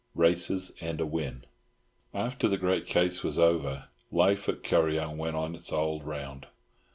RACES AND A WIN. After the great case was over life at Kuryong went on its old round.